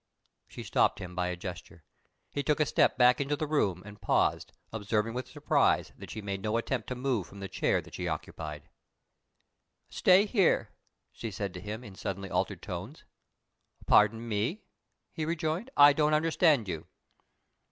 She stopped him by a gesture. He took a step back into the room, and paused, observing with surprise that she made no attempt to move from the chair that she occupied. "Stay here," she said to him, in suddenly altered tones. "Pardon me," he rejoined, "I don't understand you."